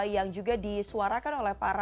yang juga disuarakan oleh para